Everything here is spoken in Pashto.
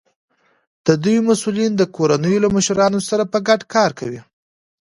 د دوی مسؤلین د کورنیو له مشرانو سره په ګډه کار کوي.